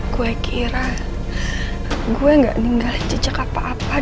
gue kira gue gak ninggalin jejak apa apa dan